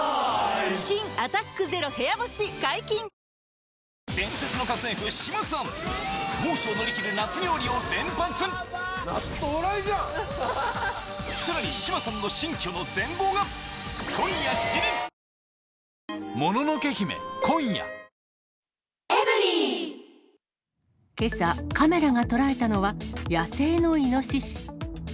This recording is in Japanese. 新「アタックＺＥＲＯ部屋干し」解禁‼けさ、カメラが捉えたのは野生のイノシシ。